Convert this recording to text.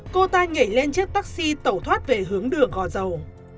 cô ta nhảy lên chiếc taxi tẩu thoát về hướng đường gò dầu